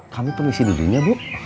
kami pemisi dirinya bu